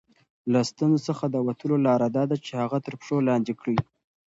له ستونزو څخه د وتلو لاره دا ده چې هغه تر پښو لاندې کړئ.